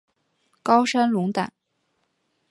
高山龙胆